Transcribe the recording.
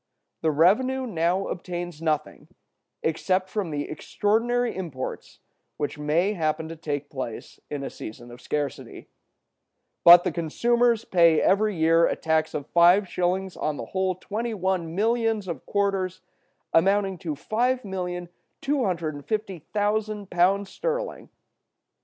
The revenue now obtains nothing, except from the extraordinary imports which may happen to take place in a season of scarcity. But the consumers pay every year a tax of five shillings on the whole twenty one millions of quarters, amounting to £5,250,000 sterling.